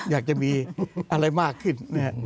อยากจะมีอะไรมากขึ้น